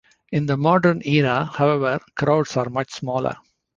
In the modern era, however, crowds are much smaller.